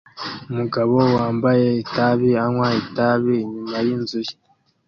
Umugabo wambaye itabi anywa itabi inyuma yinzu ye